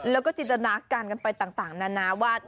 แล้วก็จินตนาการกันไปต่างนานาว่า